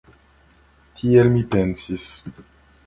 Tiel mi pensis.